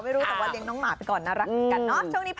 ไม่รู้แต่ว่าเย็นน้องหมาไปก่อนน่ารักกันเนอะ